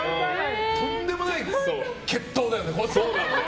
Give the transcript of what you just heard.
とんでもない血統だよね。